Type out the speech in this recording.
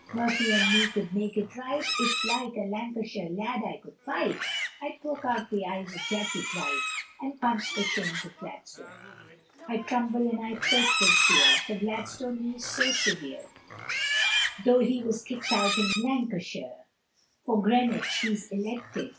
Murphy and me could make it right, If like a Lancashire lad I could fight, I'd poke out the eyes of Jackey Bright, And punch the shins of Gladstone. I tremble and I quake with fear, For Gladstone he is so severe, Though he was kicked out in Lancashire, For Greenwich he's elected.